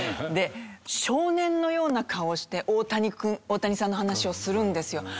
で少年のような顔をして大谷君大谷さんの話をするんですよ。